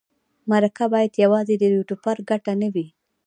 مرکه باید یوازې د یوټوبر ګټه نه وي.